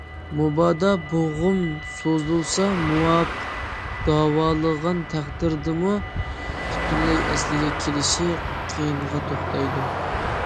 مۇبادا بوغۇم بۇزۇلسا، مۇۋاپىق داۋالىغان تەقدىردىمۇ پۈتۈنلەي ئەسلىگە كېلىشى قىيىنغا توختايدۇ.